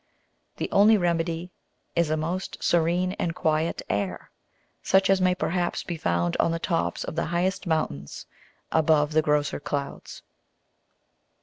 The only Remedy is a most serene and quiet Air, such as may perhaps be found on the tops of the highest Mountains above the grosser Clouds.